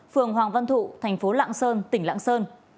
phường hoàng văn thụ thành phố lãng sơn tỉnh lãng sơn